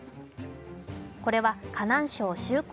これは河南省周口